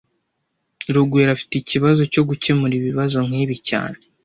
Rugwiro afite ikibazo cyo gukemura ibibazo nkibi cyane